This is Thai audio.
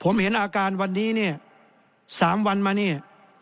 ผมเห็นอาการวันนี้เนี่ย๓วันมาเนี่ย